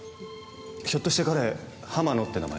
ひょっとして彼浜野って名前？